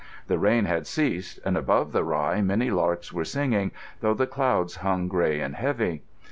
The rain had ceased, and above the rye many larks were singing, though the clouds hung grey and heavy.